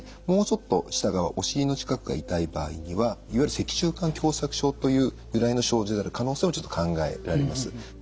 もうちょっと下側お尻の近くが痛い場合にはいわゆる脊柱管狭さく症という由来の症状である可能性もちょっと考えられます。